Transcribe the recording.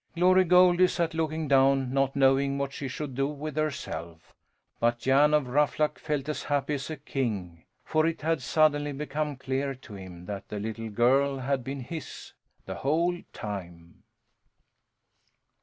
Glory Goldie sat looking down, not knowing what she should do with herself; but Jan of Ruffluck felt as happy as a king, for it had suddenly become clear to him that the little girl had been his the whole time.